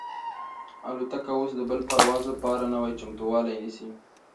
الوتکه اوس د بل پرواز لپاره نوی چمتووالی نیسي.